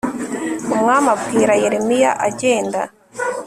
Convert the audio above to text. umwami abwira yeremiya agenda